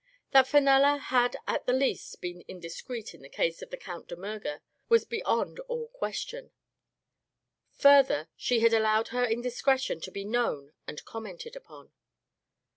That Fenella had at the least been indiscreet in the case of the Count de Miirger was beyond all question. Further, she had allowed her indiscretion to be known and commented upon.